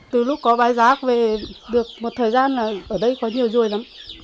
từ lúc có bãi rác về được một thời gian là ở đây có nhiều ruồi lắm